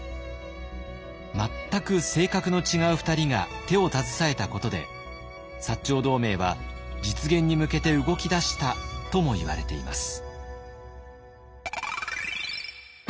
全く性格の違う２人が手を携えたことで長同盟は実現に向けて動き出したともいわれています。